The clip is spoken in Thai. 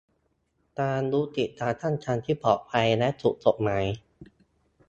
การยุติการตั้งครรภ์ที่ปลอดภัยและถูกกฎหมาย